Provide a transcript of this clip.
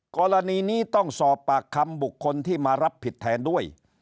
กรณีนี้ต้องสอบปากคำบุคคลที่มารับผิดแทนด้วย